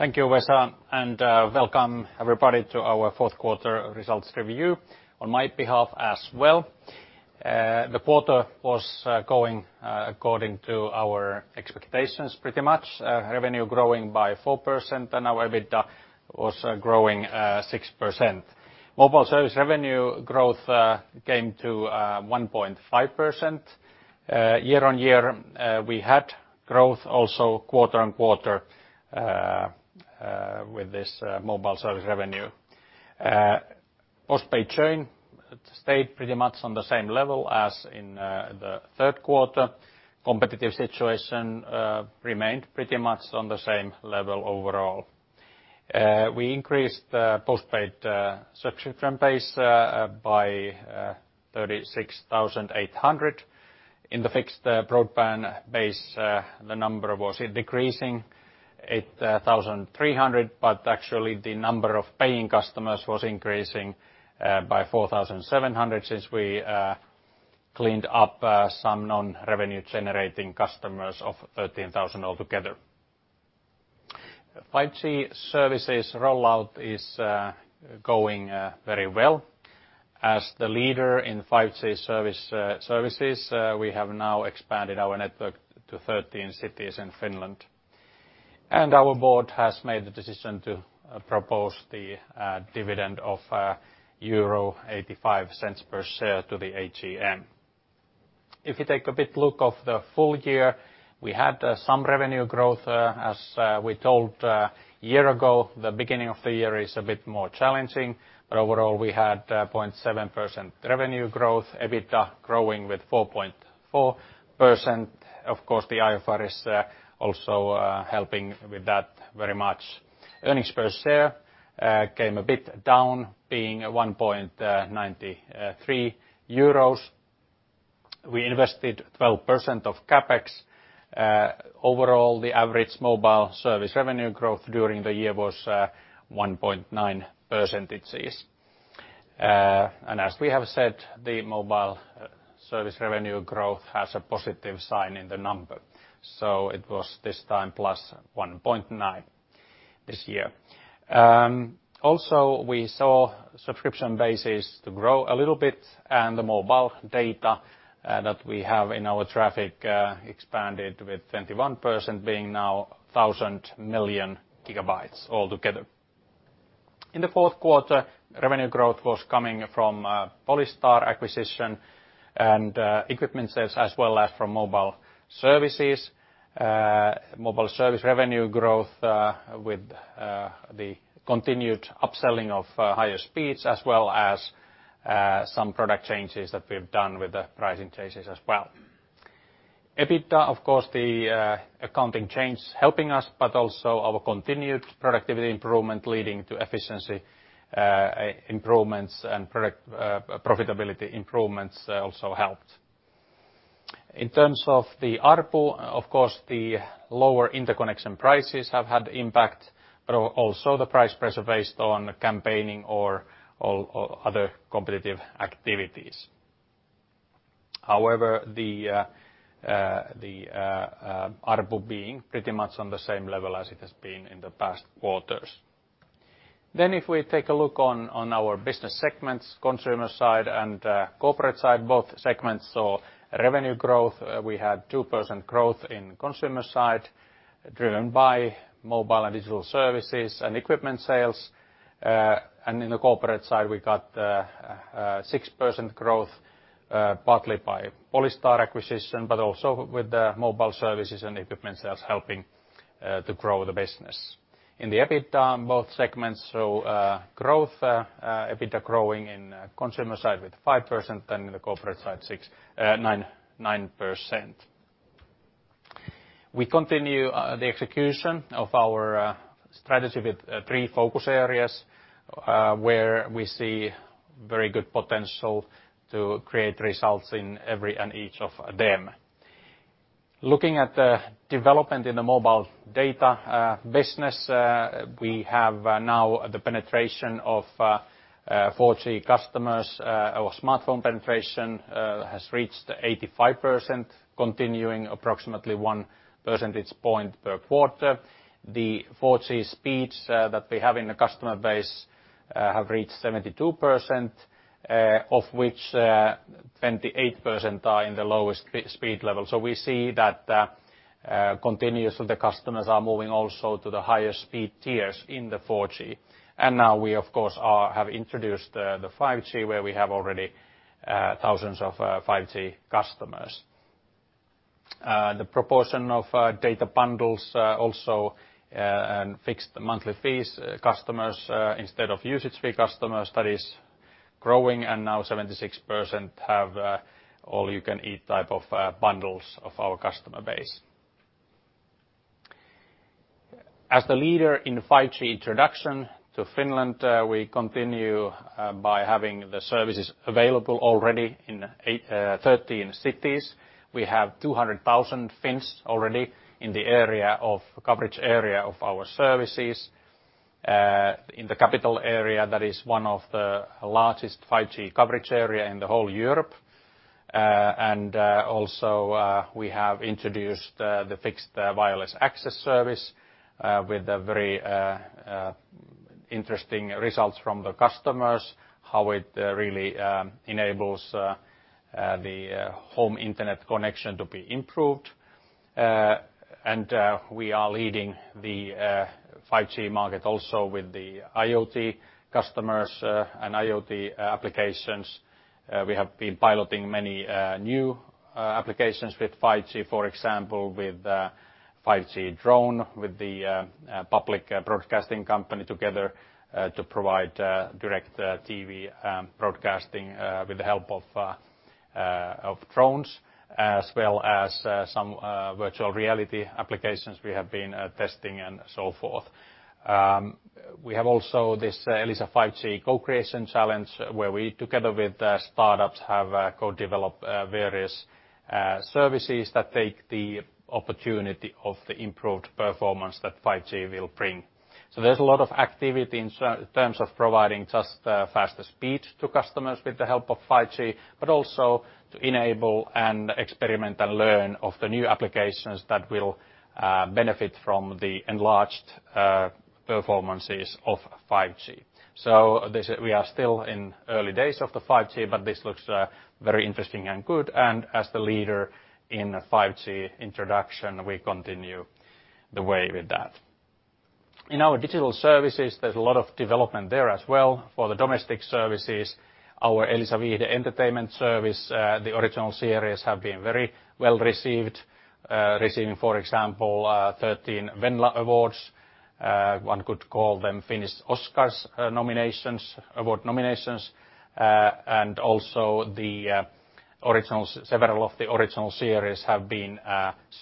Thank you, Vesa. Welcome everybody to our fourth quarter results review on my behalf as well. The quarter was going according to our expectations pretty much. Revenue growing by 4%. Our EBITDA was growing 6%. Mobile service revenue growth came to 1.5% year-on-year. We had growth also quarter-on-quarter with this mobile service revenue. Postpaid churn stayed pretty much on the same level as in the third quarter. Competitive situation remained pretty much on the same level overall. We increased the postpaid subscription base by 36,800. In the fixed broadband base, the number was decreasing 8,300. Actually, the number of paying customers was increasing by 4,700 since we cleaned up some non-revenue-generating customers of 13,000 altogether. 5G services rollout is going very well. As the leader in 5G services, we have now expanded our network to 13 cities in Finland. Our board has made the decision to propose the dividend of euro 1.85 per share to the AGM. If you take a bit look of the full year, we had some revenue growth. As we told a year ago, the beginning of the year is a bit more challenging, but overall, we had 0.7% revenue growth, EBITDA growing with 4.4%. Of course, the IFRS also helping with that very much. Earnings per share came a bit down, being 1.93 euros. We invested 12% of CapEx. Overall, the average mobile service revenue growth during the year was 1.9%. As we have said, the mobile service revenue growth has a positive sign in the number. It was this time +1.9% this year. We saw subscription bases grow a little bit and the mobile data that we have in our traffic expanded with 21%, being now 1,000 million GB altogether. In the fourth quarter, revenue growth was coming from Polystar acquisition and equipment sales as well as from mobile services. Mobile service revenue growth with the continued upselling of higher speeds as well as some product changes that we've done with the pricing changes as well. EBITDA, of course, the accounting change helping us, but also our continued productivity improvement leading to efficiency improvements and profitability improvements also helped. In terms of the ARPU, of course, the lower interconnection prices have had impact, but also the price pressure based on campaigning or other competitive activities. The ARPU being pretty much on the same level as it has been in the past quarters. If we take a look on our business segments, consumer side and corporate side, both segments saw revenue growth. We had 2% growth in consumer side, driven by mobile and digital services and equipment sales. In the corporate side, we got 6% growth partly by Polystar acquisition, but also with the mobile services and equipment sales helping to grow the business. In the EBITDA, both segments saw growth. EBITDA growing in consumer side with 5% and in the corporate side 9%. We continue the execution of our strategy with three focus areas where we see very good potential to create results in every and each of them. Looking at the development in the mobile data business, we have now the penetration of 4G customers. Our smartphone penetration has reached 85%, continuing approximately one percentage point per quarter. The 4G speeds that we have in the customer base have reached 72%, of which 28% are in the lowest speed level. We see that continuous the customers are moving also to the higher speed tiers in the 4G. Now we, of course, have introduced the 5G, where we have already thousands of 5G customers. The proportion of data bundles also and fixed monthly fees customers instead of usage fee customers, that is growing, and now 76% have all-you-can-eat type of bundles of our customer base. As the leader in 5G introduction to Finland, we continue by having the services available already in 13 cities. We have 200,000 Finns already in the coverage area of our services. In the capital area, that is one of the largest 5G coverage area in the whole of Europe. Also we have introduced the fixed wireless access service with very interesting results from the customers, how it really enables the home internet connection to be improved. We are leading the 5G market also with the IoT customers and IoT applications. We have been piloting many new applications with 5G, for example, with 5G drone, with the public broadcasting company together to provide direct TV broadcasting with the help of drones, as well as some virtual reality applications we have been testing, and so forth. We have also this Elisa 5G Co-Creation Challenge, where we, together with startups, have co-developed various services that take the opportunity of the improved performance that 5G will bring. There's a lot of activity in terms of providing just faster speed to customers with the help of 5G, but also to enable and experiment and learn of the new applications that will benefit from the enlarged performances of 5G. We are still in early days of the 5G, but this looks very interesting and good, and as the leader in 5G introduction, we continue the way with that. In our digital services, there's a lot of development there as well. For the domestic services, our Elisa Viihde entertainment service, the original series have been very well-received, receiving, for example, 13 Venla awards. One could call them Finnish Oscars award nominations. Several of the original series have been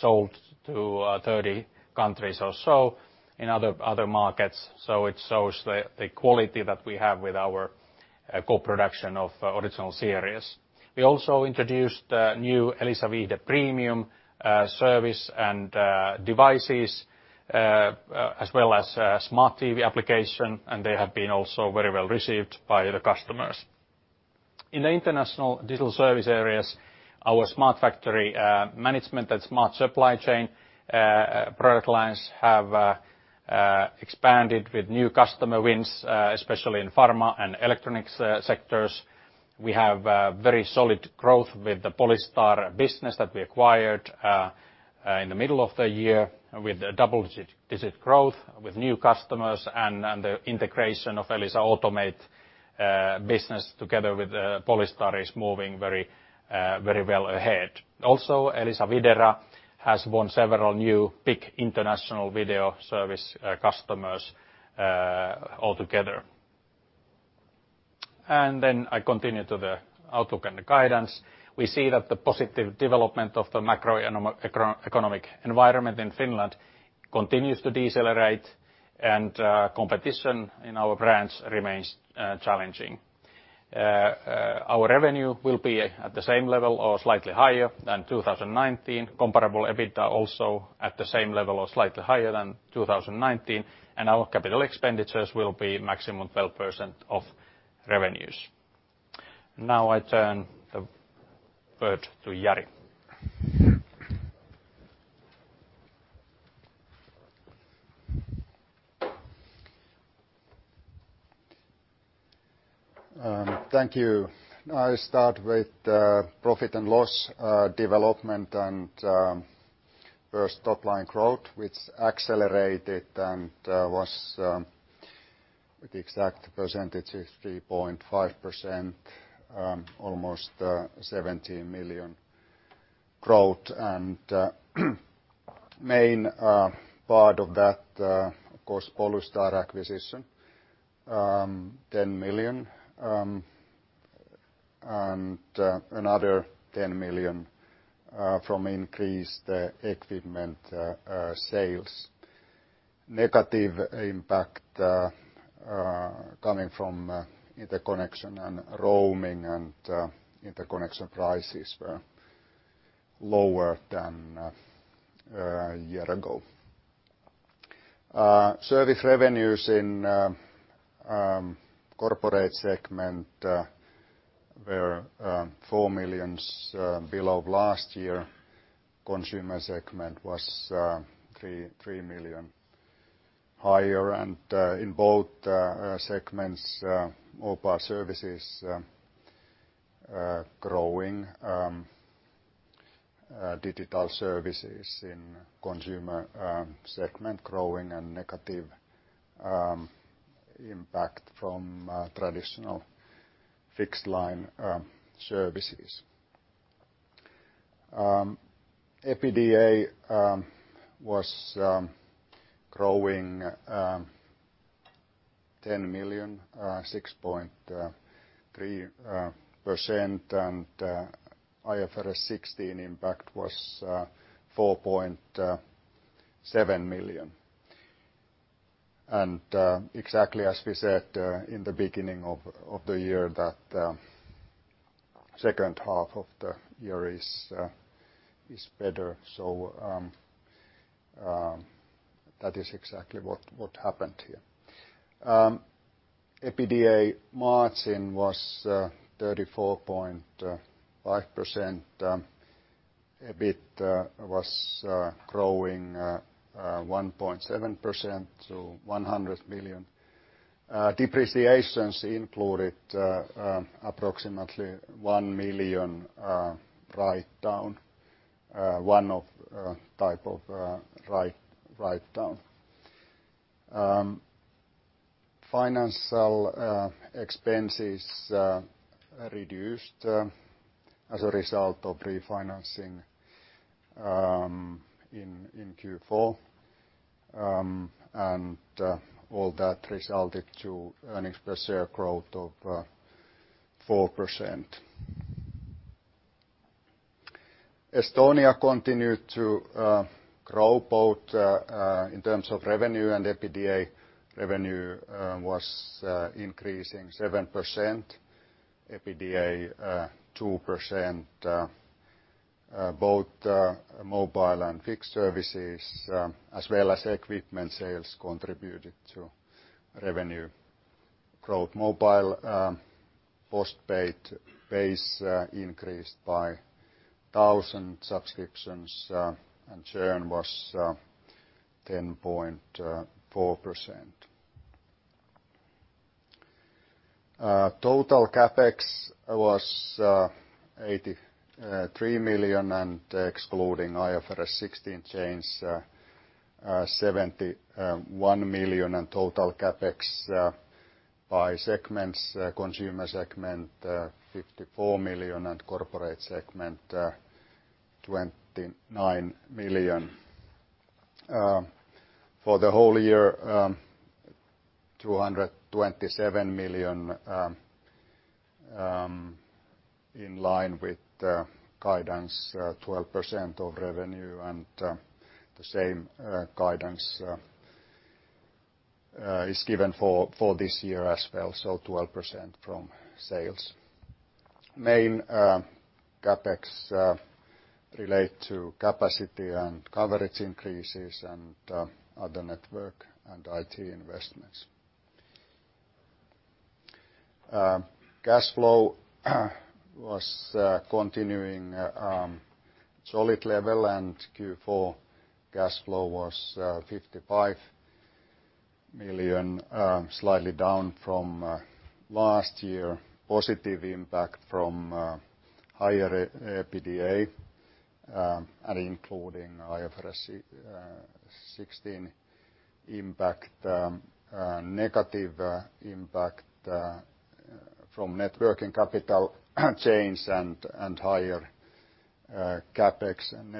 sold to 30 countries or so in other markets. It shows the quality that we have with our co-production of original series. We also introduced new Elisa Viihde Premium service and devices, as well as a smart TV application. They have been also very well-received by the customers. In the international digital service areas, our Smart Factory Management and smart supply chain product lines have expanded with new customer wins, especially in pharma and electronics sectors. We have very solid growth with the Polystar business that we acquired in the middle of the year, with double-digit growth, with new customers. The integration of Elisa Automate business together with Polystar is moving very well ahead. Elisa Videra has won several new, big international video service customers altogether. I continue to the outlook and the guidance. We see that the positive development of the macroeconomic environment in Finland continues to decelerate, and competition in our branch remains challenging. Our revenue will be at the same level or slightly higher than 2019. Comparable EBITDA also at the same level or slightly higher than 2019. Our capital expenditures will be maximum 12% of revenues. Now I turn the word to Jari. Thank you. I start with profit and loss development, first top-line growth, which accelerated, the exact percentage is 3.5%, almost EUR 17 million growth. Main part of that, of course, Polystar acquisition, 10 million, another 10 million from increased equipment sales. Negative impact coming from interconnection and roaming, interconnection prices were lower than a year ago. Service revenues in corporate segment were 4 million below last year. Consumer segment was 3 million higher. In both segments, mobile services growing, digital services in consumer segment growing, negative impact from traditional fixed-line services. EBITDA was growing EUR 10 million, 6.3%, IFRS 16 impact was 4.7 million. Exactly as we said in the beginning of the year that second half of the year is better. That is exactly what happened here. EBITDA margin was 34.5%, EBIT was growing 1.7% to 100 million. Depreciations included approximately 1 million write down, one of type of write down. Financial expenses reduced as a result of refinancing in Q4, and all that resulted to earnings per share growth of 4%. Estonia continued to grow both in terms of revenue and EBITDA. Revenue was increasing 7%, EBITDA 2%, both mobile and fixed services, as well as equipment sales contributed to revenue growth. Mobile postpaid base increased by 1,000 subscriptions, and churn was 10.4%. Total CapEx was 83 million and excluding IFRS 16 change, 71 million in total CapEx by segments, consumer segment, 54 million and corporate segment, 29 million. For the whole year, 227 million, in line with the guidance, 12% of revenue and the same guidance is given for this year as well, so 12% from sales. Main CapEx relate to capacity and coverage increases and other network and IT investments. Cash flow was continuing solid level. Q4 cash flow was 55 million, slightly down from last year. Positive impact from higher EBITDA, including IFRS 16 impact, negative impact from net working capital change and higher CapEx. In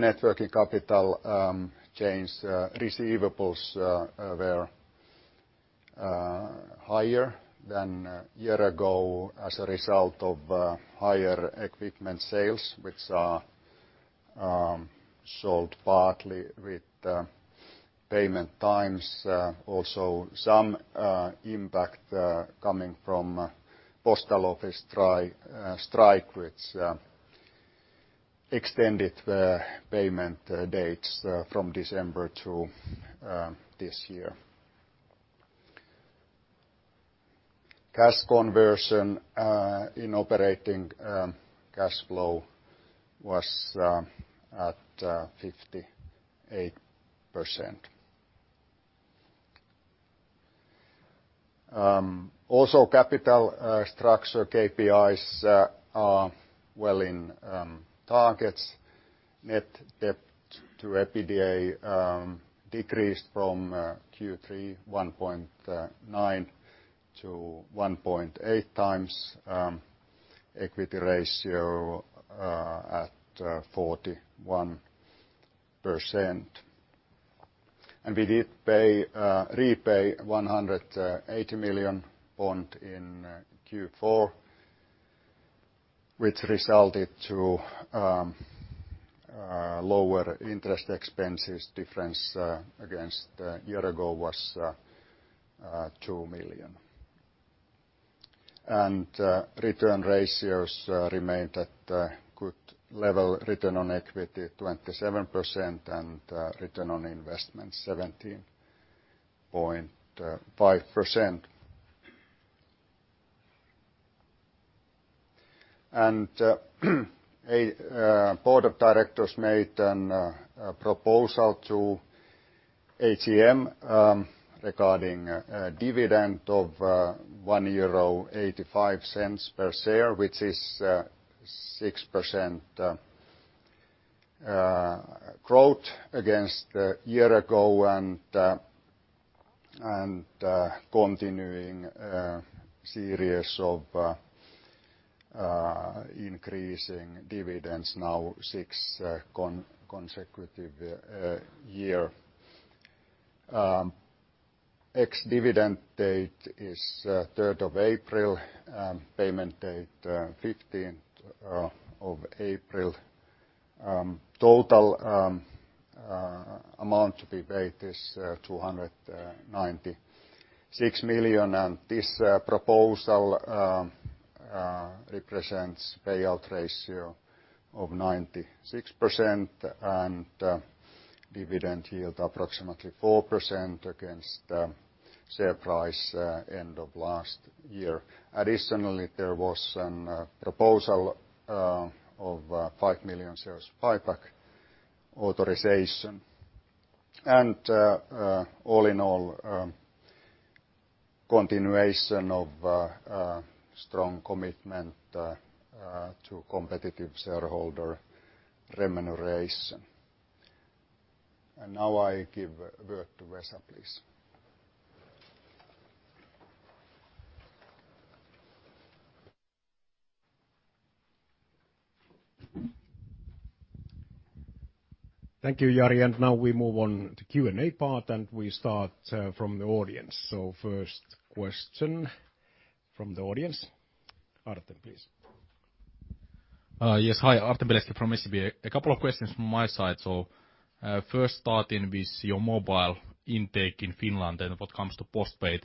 net working capital change, receivables were higher than a year ago as a result of higher equipment sales, which are sold partly with payment times. Also, some impact coming from postal office strike, which extended the payment dates from December to this year. Cash conversion in operating cash flow was at 58%. Also, capital structure KPIs are well in targets. Net debt to EBITDA decreased from Q3 1.9x to 1.8x. Equity ratio at 41%. We did repay 180 million bond in Q4, which resulted to lower interest expenses. Difference against a year ago was 2 million. Return ratios remained at a good level. Return on equity, 27% and return on investment, 17.5%. Board of directors made a proposal to AGM regarding a dividend of 1.85 euro per share, which is 6% growth against a year ago, and continuing series of increasing dividends, now six consecutive year. Ex-dividend date is 3rd of April, payment date 15th of April. Total amount to be paid is 296 million, and this proposal represents payout ratio of 96% and dividend yield approximately 4% against the share price end of last year. Additionally, there was an proposal of 5 million shares buyback authorization. All in all, continuation of strong commitment to competitive shareholder remuneration. Now I turn the word to Vesa, please. Thank you, Jari. Now we move on to Q&A part, and we start from the audience. First question from the audience. Artem, please. Yes. Hi, Artem Beletski from SEB. A couple of questions from my side. First starting with your mobile intake in Finland and what comes to postpaid.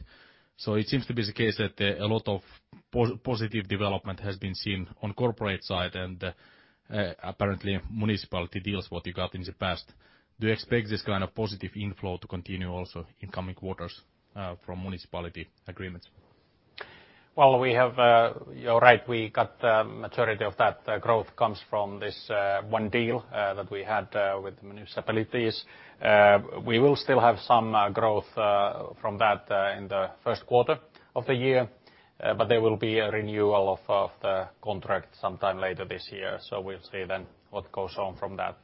It seems to be the case that a lot of positive development has been seen on corporate side and apparently municipality deals what you got in the past. Do you expect this kind of positive inflow to continue also in coming quarters, from municipality agreements? Well, you're right. We got the majority of that growth comes from this one deal that we had with the municipalities. We will still have some growth from that in the first quarter of the year, but there will be a renewal of the contract sometime later this year. We'll see then what goes on from that.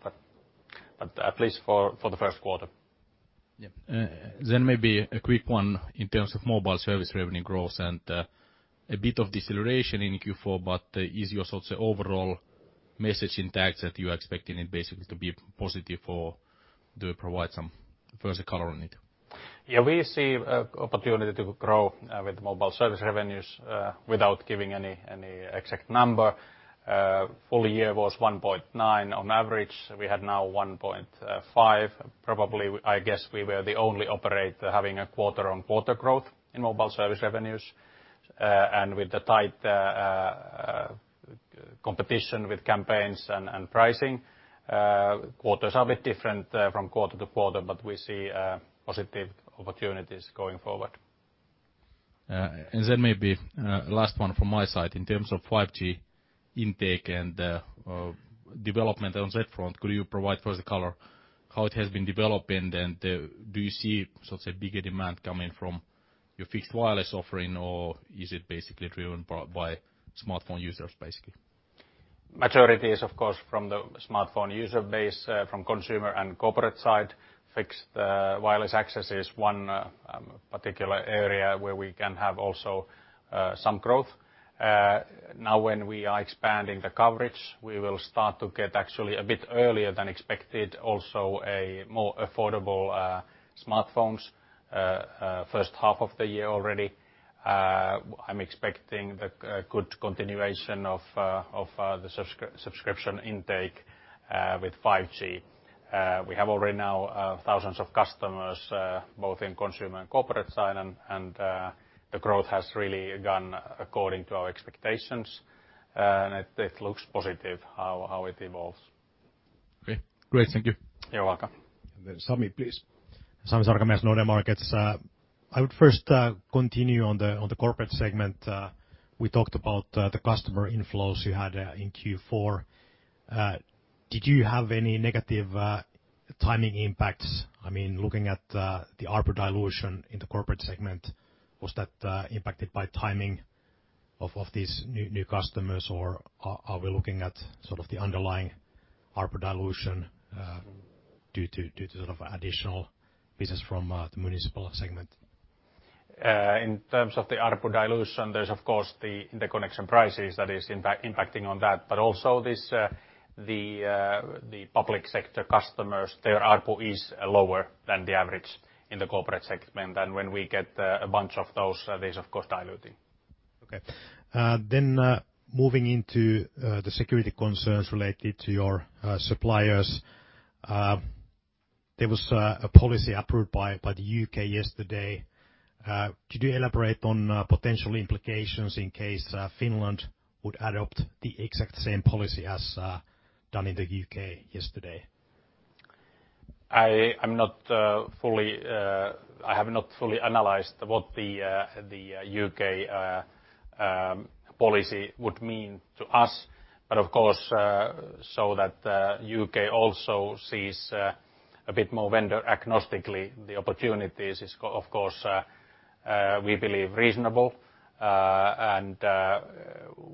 At least for the first quarter. Yeah. Maybe a quick one in terms of mobile service revenue growth and a bit of deceleration in Q4, but is your sort of overall message intact that you're expecting it basically to be positive, or do you provide some further color on it? Yeah. We see opportunity to grow with mobile service revenues, without giving any exact number. Full year was 1.9% on average. We had now 1.5%. Probably, I guess we were the only operator having a quarter-on-quarter growth in mobile service revenues. With the tight competition with campaigns and pricing, quarters are a bit different from quarter to quarter, but we see positive opportunities going forward. Maybe last one from my side. In terms of 5G intake and development on that front, could you provide further color how it has been developing? Do you see sort of bigger demand coming from your fixed wireless offering, or is it basically driven by smartphone users, basically? Majority is, of course, from the smartphone user base, from consumer and corporate side. Fixed wireless access is one particular area where we can have also some growth. Now when we are expanding the coverage, we will start to get actually a bit earlier than expected, also a more affordable smartphones, first half of the year already. I'm expecting the good continuation of the subscription intake with 5G. We have already now thousands of customers both in consumer and corporate side, and the growth has really gone according to our expectations. It looks positive how it evolves. Okay, great. Thank you. You're welcome. Sami, please. Sami Sarkamies, Nordea Markets. I would first continue on the corporate segment. We talked about the customer inflows you had in Q4. Did you have any negative timing impacts? I mean, looking at the ARPU dilution in the corporate segment, was that impacted by timing of these new customers, or are we looking at sort of the underlying ARPU dilution due to additional business from the municipal segment? In terms of the ARPU dilution, there's of course the interconnection prices that is impacting on that, but also the public sector customers, their ARPU is lower than the average in the corporate segment. When we get a bunch of those, there's of course diluting. Okay. Moving into the security concerns related to your suppliers. There was a policy approved by the U.K. yesterday. Could you elaborate on potential implications in case Finland would adopt the exact same policy as done in the U.K. yesterday? I have not fully analyzed what the U.K. policy would mean to us. Of course, so that U.K. also sees a bit more vendor agnostically the opportunities is, of course, we believe reasonable.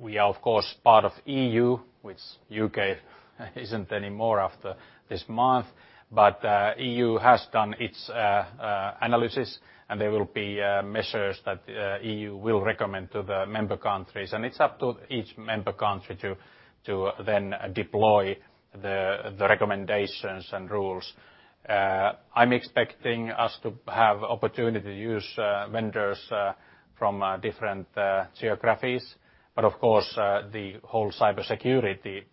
We are of course part of EU, which U.K. isn't anymore after this month. EU has done its analysis, and there will be measures that EU will recommend to the member countries, and it's up to each member country to then deploy the recommendations and rules. I'm expecting us to have opportunity to use vendors from different geographies. Of course, the whole cybersecurity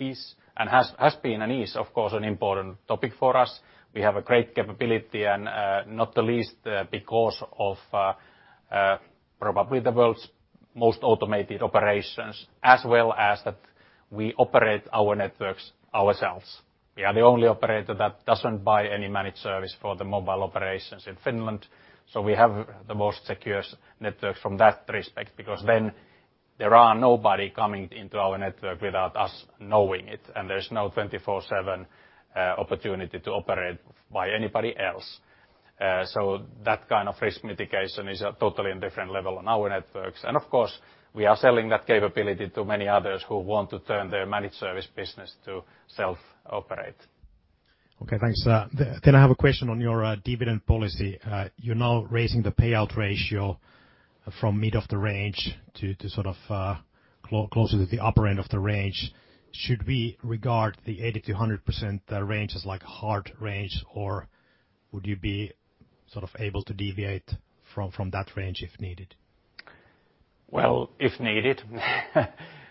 is and has been an important topic for us. We have a great capability and not the least because of probably the world's most automated operations as well as that we operate our networks ourselves. We are the only operator that doesn't buy any managed service for the mobile operations in Finland. We have the most secure networks from that respect, because then there are nobody coming into our network without us knowing it, and there's no 24/7 opportunity to operate by anybody else. That kind of mitigation is up to totally on different level. Of course, we are selling that capability to many others who want to turn their managed service business to self-operate. Okay, thanks. I have a question on your dividend policy. You're now raising the payout ratio from mid of the range to closer to the upper end of the range. Should we regard the 80%-100% range as hard range, or would you be able to deviate from that range if needed? Well, if needed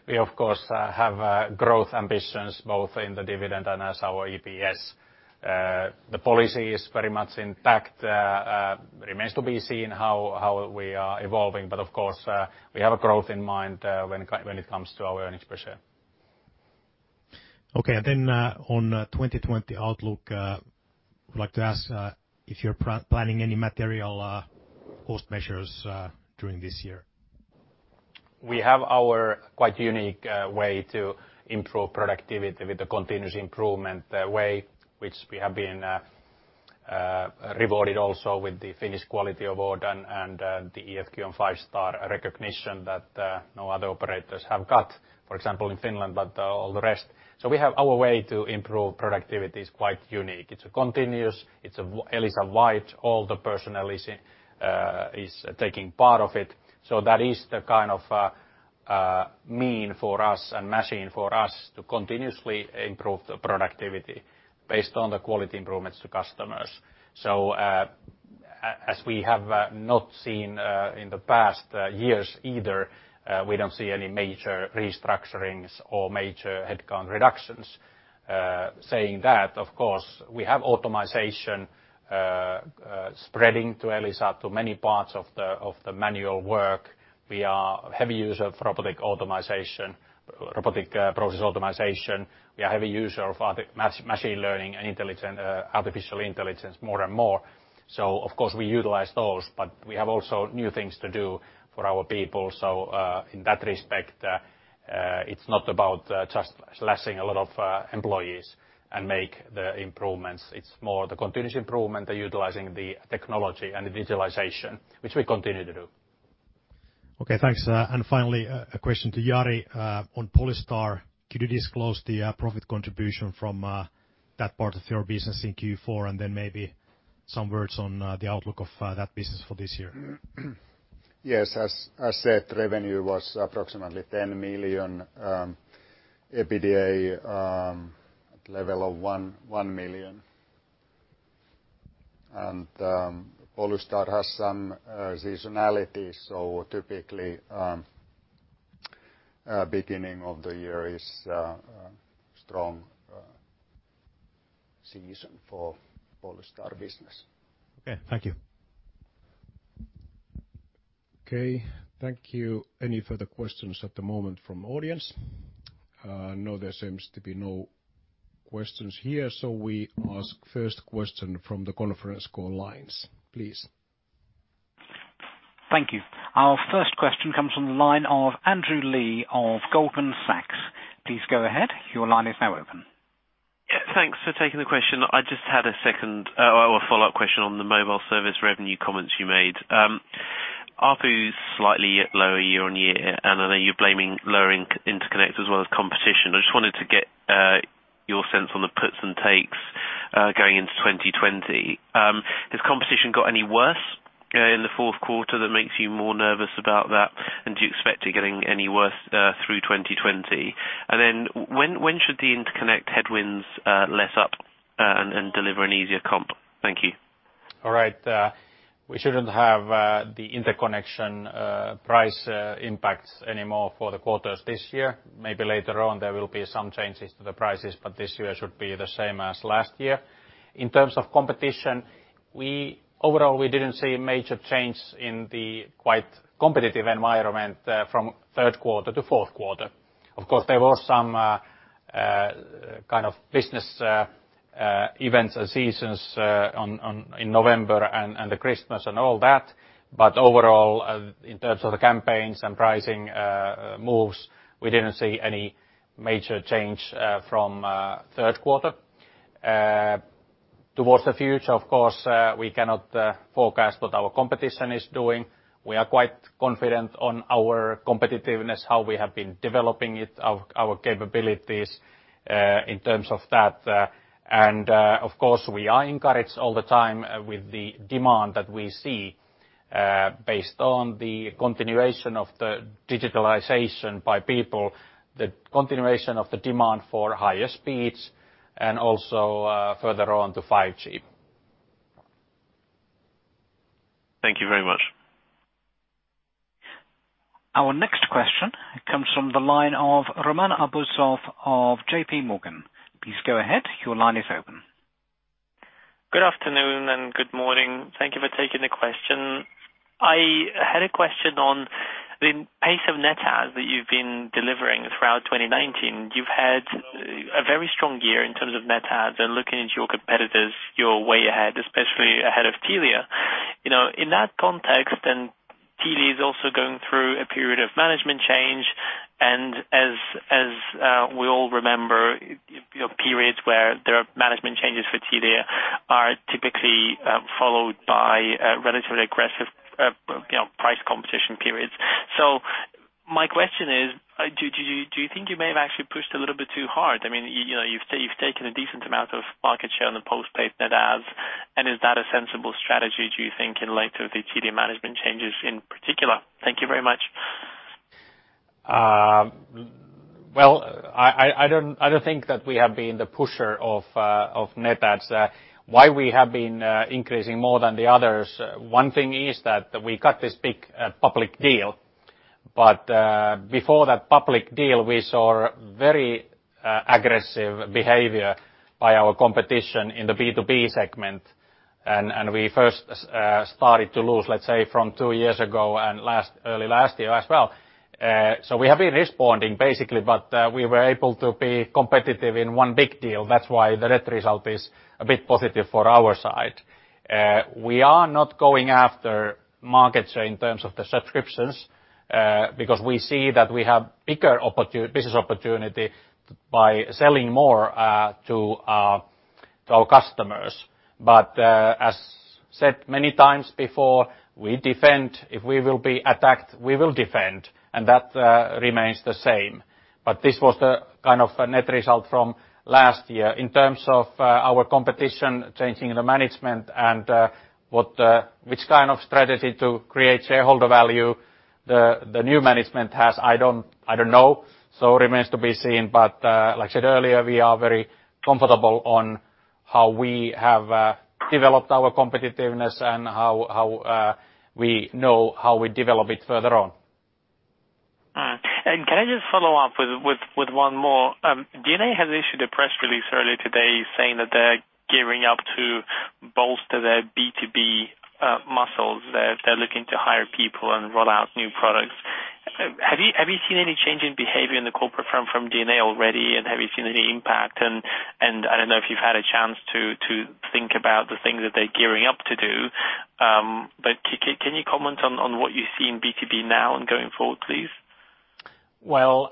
we of course have growth ambitions both in the dividend and as our EPS. The policy is very much intact. Remains to be seen how we are evolving. Of course, we have a growth in mind when it comes to our earnings per share. Okay, on 2020 outlook, I would like to ask if you're planning any material cost measures during this year. We have our quite unique way to improve productivity with the continuous improvement way, which we have been rewarded also with the Quality Innovation Award and the EFQM 5-Star recognition that no other operators have got, for example, in Finland, but all the rest. We have our way to improve productivity is quite unique. It's a continuous, it's Elisa-wide. All the personnel is taking part of it. That is the kind of mean for us and machine for us to continuously improve the productivity based on the quality improvements to customers. As we have not seen in the past years either, we don't see any major restructurings or major headcount reductions. Saying that, of course, we have automation spreading to Elisa to many parts of the manual work. We are heavy user of robotic process automation. We are heavy user of machine learning and artificial intelligence more and more. Of course we utilize those, but we have also new things to do for our people. In that respect, it's not about just slashing a lot of employees and make the improvements. It's more the continuous improvement, the utilizing the technology and the digitalization, which we continue to do. Okay, thanks. Finally, a question to Jari on Polystar. Could you disclose the profit contribution from that part of your business in Q4, and then maybe some words on the outlook of that business for this year? Yes. As said, revenue was approximately 10 million EBITDA at level of 1 million. Polystar has some seasonality. Typically, beginning of the year is a strong season for Polystar business. Okay. Thank you. Okay, thank you. Any further questions at the moment from audience? No, there seems to be no questions here. We ask first question from the conference call lines, please. Thank you. Our first question comes from the line of Andrew Lee of Goldman Sachs. Please go ahead. Your line is now open. Thanks for taking the question. I just had a second follow-up question on the mobile service revenue comments you made. ARPU is slightly lower year-over-year, I know you're blaming lower interconnect as well as competition. I just wanted to get your sense on the puts and takes going into 2020. Has competition got any worse in the fourth quarter that makes you more nervous about that? Do you expect it getting any worse through 2020? When should the interconnect headwinds let up and deliver an easier comp? Thank you. All right. We shouldn't have the interconnection price impacts anymore for the quarters this year. Maybe later on there will be some changes to the prices, but this year should be the same as last year. In terms of competition, overall we didn't see a major change in the quite competitive environment from third quarter to fourth quarter. Of course, there were some kind of business events and seasons in November and the Christmas and all that. Overall, in terms of the campaigns and pricing moves, we didn't see any major change from third quarter. Towards the future, of course, we cannot forecast what our competition is doing. We are quite confident on our competitiveness, how we have been developing it, our capabilities in terms of that. Of course, we are encouraged all the time with the demand that we see based on the continuation of the digitalization by people, the continuation of the demand for higher speeds and also further on to 5G. Thank you very much. Our next question comes from the line of Roman Arbuzov of JPMorgan. Please go ahead. Your line is open. Good afternoon and good morning. Thank you for taking the question. I had a question on the pace of net adds that you've been delivering throughout 2019. You've had a very strong year in terms of net adds and looking into your competitors, you're way ahead, especially ahead of Telia. In that context, and Telia is also going through a period of management change, and as we all remember, periods where there are management changes for Telia are typically followed by relatively aggressive price competition periods. My question is, do you think you may have actually pushed a little bit too hard? You've taken a decent amount of market share on the postpaid net adds, and is that a sensible strategy, do you think, in light of the Telia management changes in particular? Thank you very much. Well, I don't think that we have been the pusher of net adds. Why we have been increasing more than the others, one thing is that we got this big public deal. Before that public deal, we saw very aggressive behavior by our competition in the B2B segment. We first started to lose, let's say, from two years ago and early last year as well. We have been responding, basically, but we were able to be competitive in one big deal. That's why the net result is a bit positive for our side. We are not going after markets in terms of the subscriptions, because we see that we have bigger business opportunity by selling more to our customers. As said many times before, we defend. If we will be attacked, we will defend, and that remains the same. This was the kind of net result from last year. In terms of our competition changing the management and which kind of strategy to create shareholder value the new management has, I don't know, so it remains to be seen. Like I said earlier, we are very comfortable on how we have developed our competitiveness and how we know how we develop it further on. Can I just follow up with one more? DNA has issued a press release earlier today saying that they're gearing up to bolster their B2B muscles. They're looking to hire people and roll out new products. Have you seen any change in behavior in the corporate firm from DNA already, and have you seen any impact? I don't know if you've had a chance to think about the things that they're gearing up to do, but can you comment on what you see in B2B now and going forward, please? Well,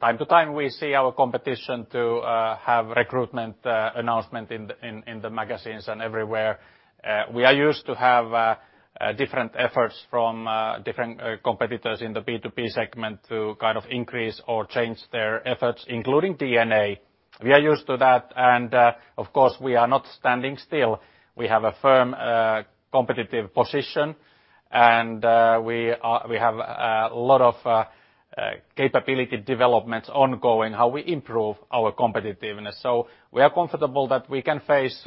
time to time we see our competition to have recruitment announcement in the magazines and everywhere. We are used to have different efforts from different competitors in the B2B segment to increase or change their efforts, including DNA. We are used to that. Of course, we are not standing still. We have a firm competitive position, and we have a lot of capability developments ongoing, how we improve our competitiveness. We are comfortable that we can face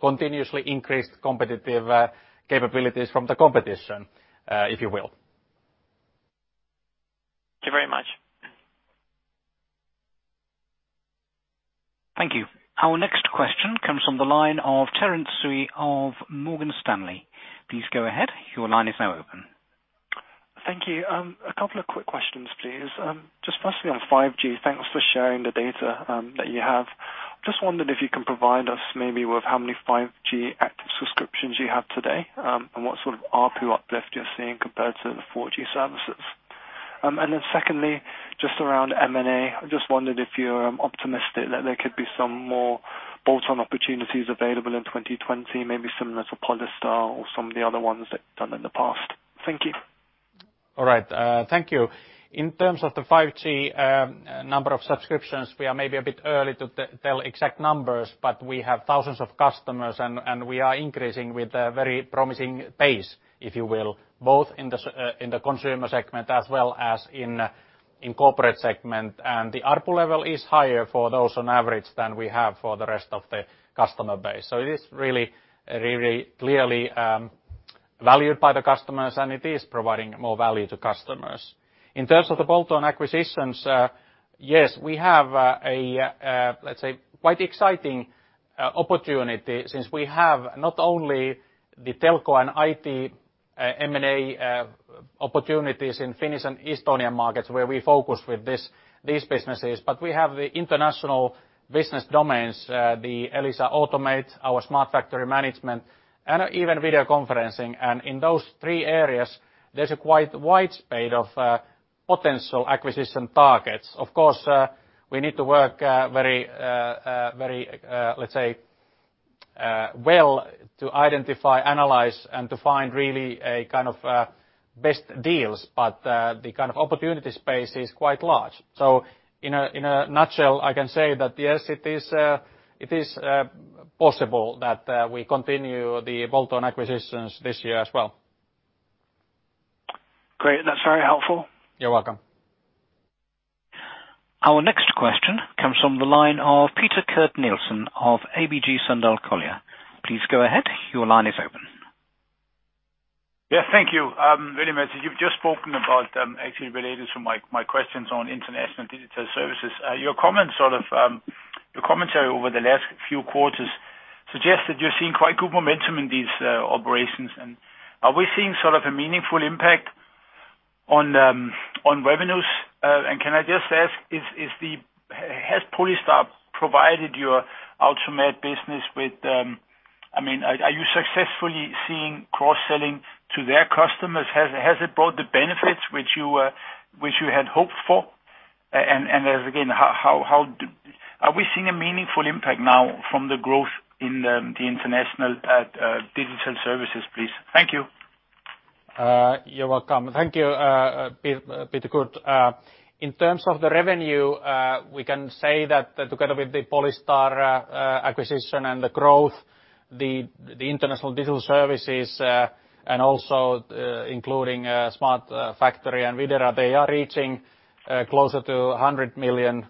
continuously increased competitive capabilities from the competition, if you will. Thank you very much. Thank you. Our next question comes from the line of Terence Tsui of Morgan Stanley. Please go ahead. Your line is now open. Thank you. A couple of quick questions, please. Just firstly on 5G, thanks for sharing the data that you have. Just wondered if you can provide us maybe with how many 5G active subscriptions you have today, and what sort of ARPU uplift you're seeing compared to the 4G services. Then secondly, just around M&A. I just wondered if you're optimistic that there could be some more bolt-on opportunities available in 2020, maybe similar to Polystar or some of the other ones that you've done in the past. Thank you. All right. Thank you. In terms of the 5G number of subscriptions, we are maybe a bit early to tell exact numbers, but we have thousands of customers, and we are increasing with a very promising pace, if you will, both in the consumer segment as well as in corporate segment. The ARPU level is higher for those on average than we have for the rest of the customer base. It is really clearly valued by the customers, and it is providing more value to customers. In terms of the bolt-on acquisitions, yes, we have, let's say, quite exciting opportunity since we have not only the telco and IT M&A opportunities in Finnish and Estonian markets where we focus with these businesses, but we have the international business domains, the Elisa Automate, our Elisa Smart Factory Management, and even video conferencing. In those three areas, there's a quite wide swath of potential acquisition targets. Of course, we need to work very, let's say, well to identify, analyze, and to find really a kind of best deals. The opportunity space is quite large. In a nutshell, I can say that yes, it is possible that we continue the bolt-on acquisitions this year as well. Great. That's very helpful. You're welcome. Our next question comes from the line of Peter Kurt Nielsen of ABG Sundal Collier. Please go ahead. Your line is open. Yeah, thank you very much. You've just spoken about, actually related to my questions on international digital services. Your commentary over the last few quarters suggest that you're seeing quite good momentum in these operations. Are we seeing sort of a meaningful impact on revenues? Can I just ask, has Polystar provided your ultimate business... Are you successfully seeing cross-selling to their customers? Has it brought the benefits which you had hoped for? As again, are we seeing a meaningful impact now from the growth in the international digital services, please? Thank you. You're welcome. Thank you, Peter Kurt. In terms of the revenue, we can say that together with the Polystar acquisition and the growth, the international digital services, and also including Smart Factory and Videra, they are reaching closer to 100 million.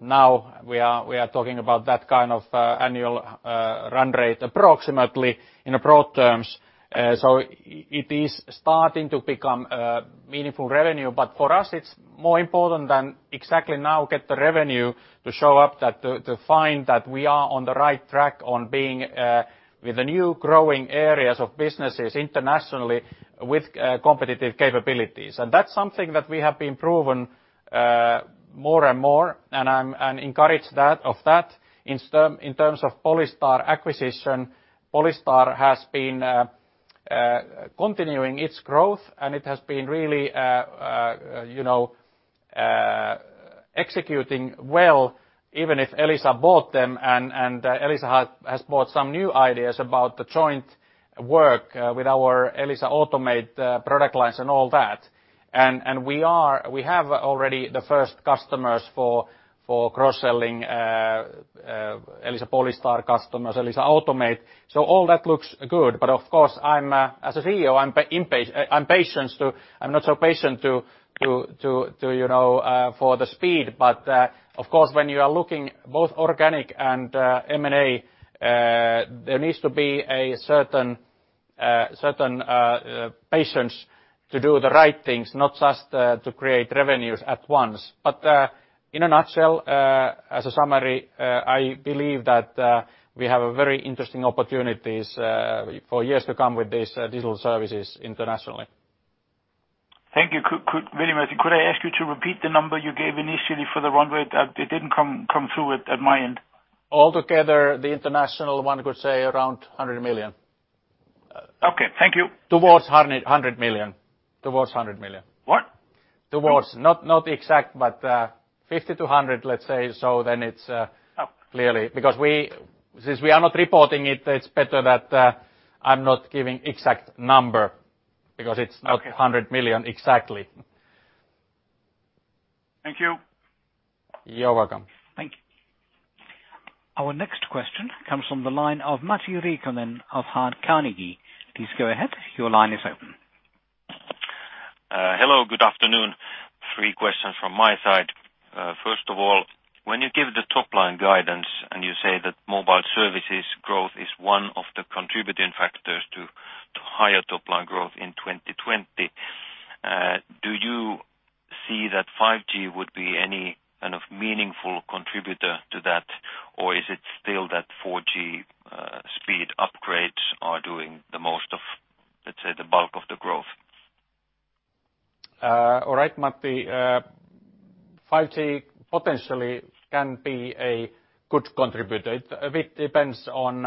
Now we are talking about that kind of annual run rate approximately in broad terms. It is starting to become a meaningful revenue. For us, it's more important than exactly now get the revenue to show up that to find that we are on the right track on being with the new growing areas of businesses internationally with competitive capabilities. That's something that we have been proven more and more, and I'm encouraged of that. In terms of Polystar acquisition, Polystar has been continuing its growth, and it has been really executing well, even if Elisa bought them, and Elisa has brought some new ideas about the joint work with our Elisa Automate product lines and all that. We have already the first customers for cross-selling Elisa Polystar customers, Elisa Automate. All that looks good. Of course, as a CEO, I'm not so patient for the speed. Of course, when you are looking both organic and M&A, there needs to be a certain patience to do the right things, not just to create revenues at once. In a nutshell, as a summary, I believe that we have a very interesting opportunities for years to come with these digital services internationally. Thank you very much. Could I ask you to repeat the number you gave initially for the run rate? It did not come through at my end. Altogether, the international one could say around 100 million. Okay. Thank you. Towards 100 million. What? Towards. Not exact, but 50-100, let's say. It's clearly. Since we are not reporting it's better that I'm not giving exact number because it's not 100 million exactly. Thank you. You're welcome. Our next question comes from the line of Matti Riikonen of Carnegie. Please go ahead. Your line is open. Hello, good afternoon. Three questions from my side. First of all, when you give the top line guidance and you say that mobile services growth is one of the contributing factors to higher top line growth in 2020, do you see that 5G would be any kind of meaningful contributor to that? Is it still that 4G speed upgrades are doing the most of, let's say, the bulk of the growth? All right, Matti. 5G potentially can be a good contributor. A bit depends on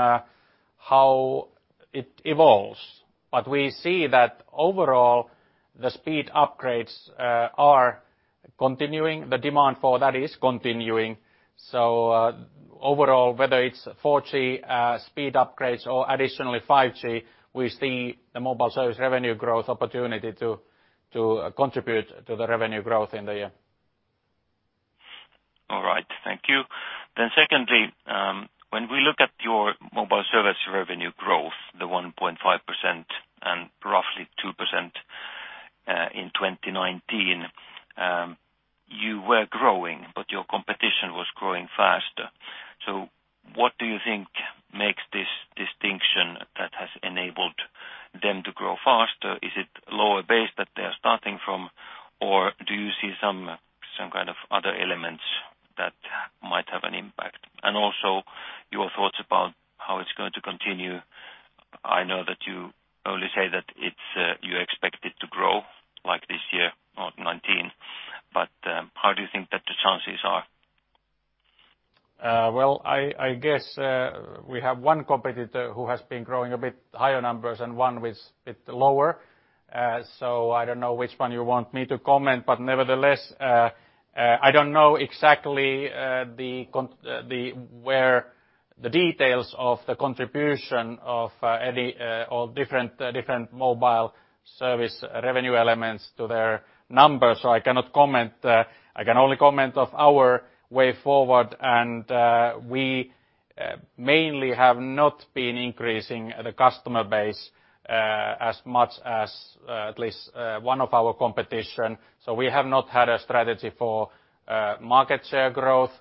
how it evolves. We see that overall, the speed upgrades are continuing. The demand for that is continuing. Overall, whether it's 4G speed upgrades or additionally 5G, we see the mobile service revenue growth opportunity to contribute to the revenue growth in the year. All right. Thank you. Secondly, when we look at your mobile service revenue growth, the 1.5% and roughly 2% in 2019, you were growing, but your competition was growing faster. What do you think makes this distinction that has enabled them to grow faster? Is it lower base that they are starting from, or do you see some kind of other elements that might have an impact? Also your thoughts about how it's going to continue. I know that you only say that you expect it to grow like this year, not 2019, but how do you think that the chances are? Well, I guess we have one competitor who has been growing a bit higher numbers and one with a bit lower. I don't know which one you want me to comment, but nevertheless, I don't know exactly where the details of the contribution of any different mobile service revenue elements to their numbers. I cannot comment. I can only comment of our way forward, and we mainly have not been increasing the customer base as much as at least one of our competition. We have not had a strategy for market share growth.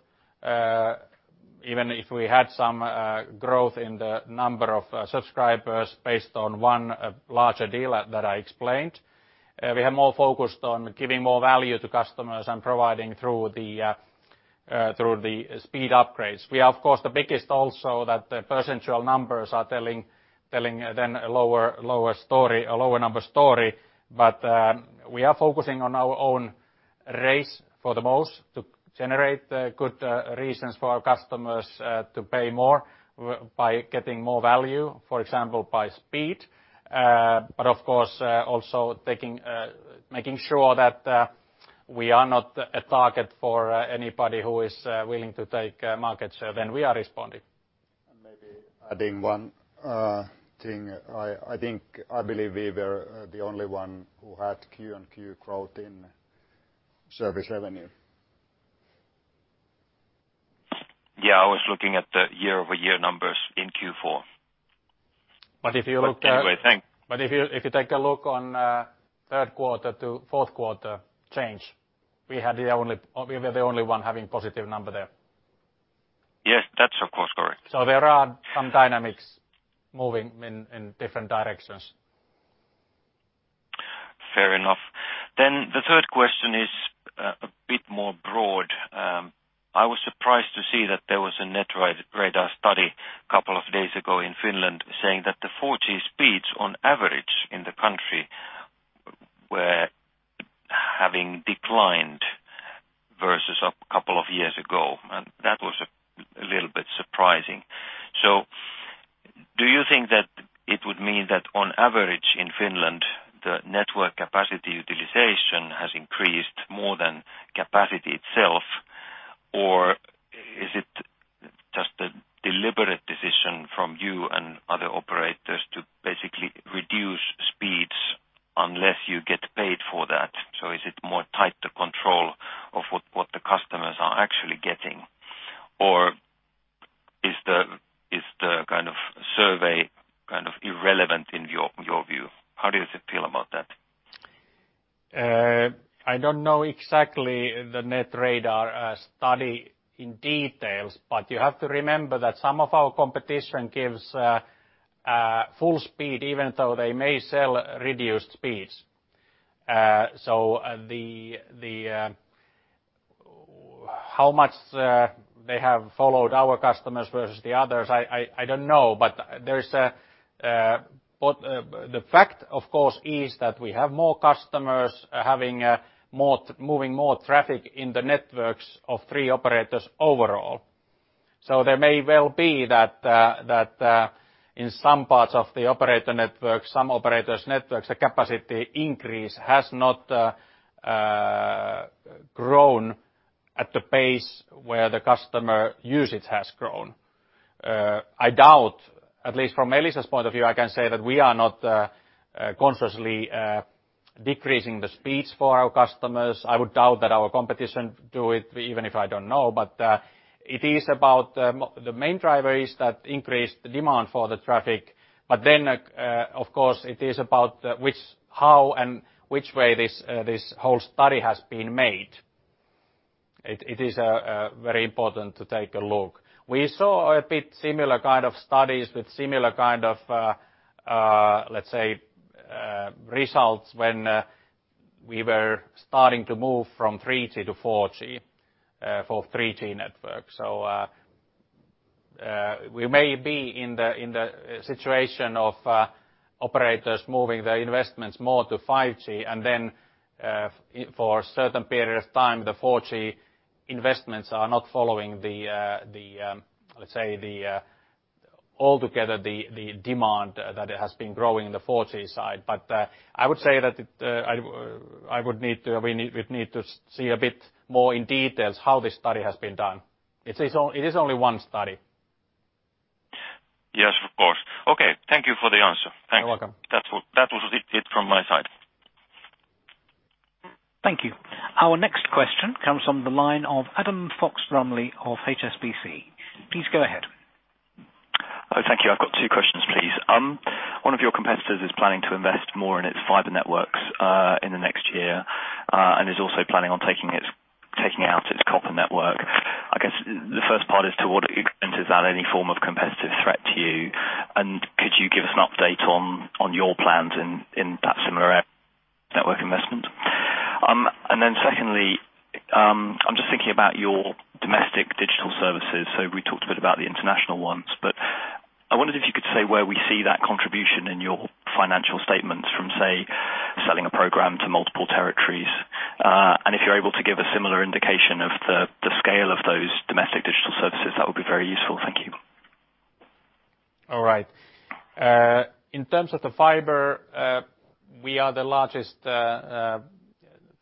Even if we had some growth in the number of subscribers based on one larger deal that I explained. We have more focused on giving more value to customers and providing through the speed upgrades. We are, of course, the biggest also that the percentage numbers are telling then a lower story, a lower number story. We are focusing on our own race for the most to generate good reasons for our customers to pay more by getting more value, for example, by speed. Of course, also making sure that we are not a target for anybody who is willing to take market share. We are responding. Maybe adding one thing. I think, I believe we were the only one who had Q-on-Q growth in mobile service revenue. Yeah, I was looking at the year-over-year numbers in Q4. If you look, if you take a look on third quarter to fourth quarter change, we were the only one having positive number there. Yes. That's of course, correct. There are some dynamics moving in different directions. Fair enough. The third question is a bit more broad. I was surprised to see that there was a Netradar study a couple of days ago in Finland saying that the 4G speeds on average in the country were having declined versus a couple of years ago. That was a little bit surprising. Do you think that it would mean that on average in Finland, the network capacity utilization has increased more than capacity itself, or is it just a deliberate decision from you and other operators to basically reduce speeds unless you get paid for that? Is it more tighter control of what the customers are actually getting, or is the kind of survey kind of irrelevant in your view? How does it feel about that? I don't know exactly the Netradar study in detail. You have to remember that some of our competition gives full speed, even though they may sell reduced speeds. How much they have followed our customers versus the others, I don't know. The fact, of course, is that we have more customers moving more traffic in the networks of three operators overall. There may well be that in some parts of the operator network, some operators networks, the capacity increase has not grown at the pace where the customer usage has grown. I doubt, at least from Elisa's point of view, I can say that we are not consciously decreasing the speeds for our customers. I would doubt that our competition do it, even if I don't know. The main driver is that increased demand for the traffic. Of course, it is about how and which way this whole study has been made. It is very important to take a look. We saw a bit similar kind of studies with similar kind of, let's say, results when we were starting to move from 3G to 4G for 3G network. We may be in the situation of operators moving their investments more to 5G, and then for a certain period of time, the 4G investments are not following the, let's say, altogether the demand that it has been growing in the 4G side. I would say that we'd need to see a bit more in details how this study has been done. It is only one study. Yes, of course. Okay. Thank you for the answer. Thanks. You're welcome. That was it from my side. Thank you. Our next question comes from the line of Adam Fox-Rumley of HSBC. Please go ahead. Thank you. I've got two questions, please. One of your competitors is planning to invest more in its fiber networks in the next year, is also planning on taking out its copper network. I guess the first part is to what extent is that any form of competitive threat to you? Could you give us an update on your plans in that similar network investment? Secondly, I'm just thinking about your domestic digital services. We talked a bit about the international ones, I wondered if you could say where we see that contribution in your financial statements from, say, selling a program to multiple territories. If you're able to give a similar indication of the scale of those domestic digital services, that would be very useful. Thank you. All right. In terms of the fiber, we are the largest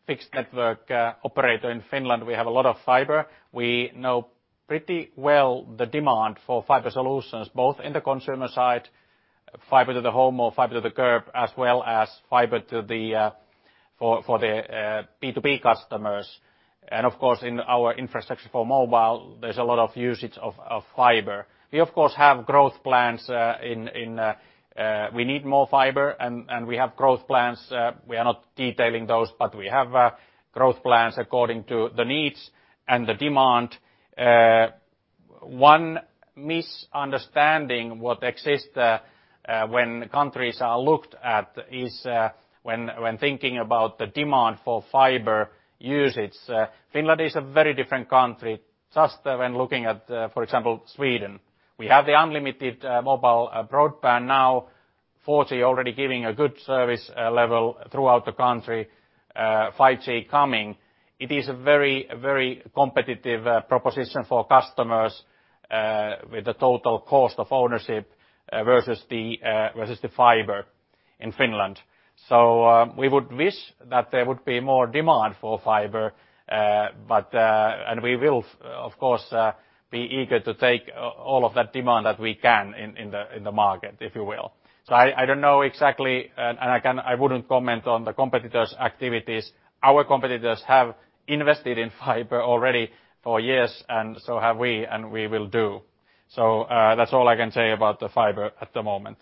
fixed network operator in Finland. We have a lot of fiber. We know pretty well the demand for fiber solutions, both in the consumer side, fiber to the home or fiber to the curb, as well as fiber for the B2B customers and of course in our infrastructure for mobile, there's a lot of usage of fiber. We of course have growth plans. We need more fiber and we have growth plans. We are not detailing those. We have growth plans according to the needs and the demand. One misunderstanding what exists when countries are looked at is when thinking about the demand for fiber usage. Finland is a very different country. When looking at, for example, Sweden. We have the unlimited mobile broadband now 4G already giving a good service level throughout the country, 5G coming. It is a very competitive proposition for customers with the total cost of ownership versus the fiber in Finland. We would wish that there would be more demand for fiber, and we will of course be eager to take all of that demand that we can in the market, if you will. I don't know exactly, and I wouldn't comment on the competitors' activities. Our competitors have invested in fiber already for years, and so have we, and we will do. That's all I can say about the fiber at the moment.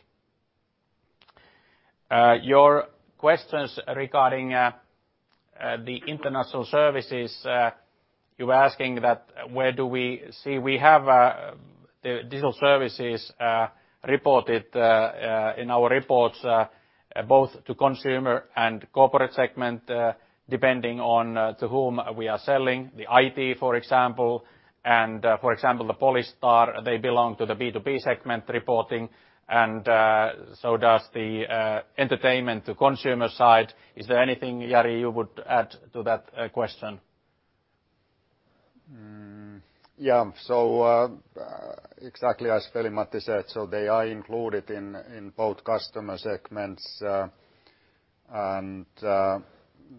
Your questions regarding the international services, you were asking that where do we see? We have the digital services reported in our reports both to consumer and corporate segment, depending on to whom we are selling. The IT, for example, and for example, the Polystar, they belong to the B2B segment reporting, and so does the entertainment to consumer side. Is there anything, Jari, you would add to that question? Yeah. Exactly as Veli-Matti said, so they are included in both customer segments.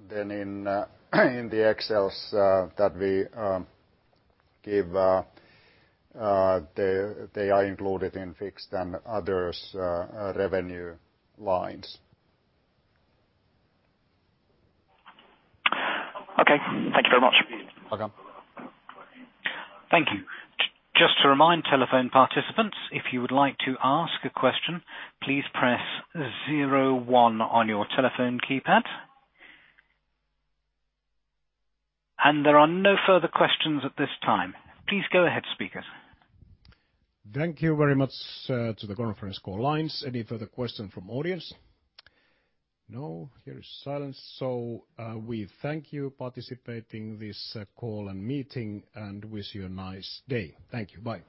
Then in the Excels that we give, they are included in fixed and others revenue lines. Okay. Thank you very much. Welcome. Thank you. Just to remind telephone participants, if you would like to ask a question, please press zero one on your telephone keypad. There are no further questions at this time. Please go ahead, speakers. Thank you very much to the conference call lines. Any further question from audience? We hear is silence. We thank you participating this call and meeting, and wish you a nice day. Thank you. Bye.